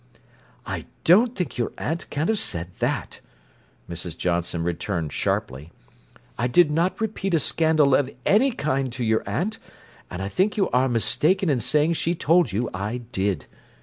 "I don't think your aunt can have said that," Mrs. Johnson returned sharply. "I did not repeat a scandal of any kind to your aunt and I think you are mistaken in saying she told you I did.